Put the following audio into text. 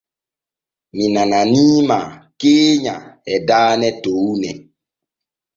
Mi nananiima keenya e daane towne.